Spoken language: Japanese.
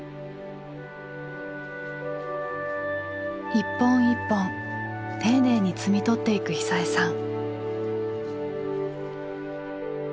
一本一本丁寧に摘み取っていく久枝さん。